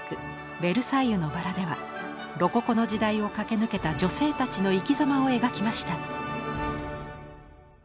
「ベルサイユのばら」ではロココの時代を駆け抜けた女性たちの生きざまを描きました。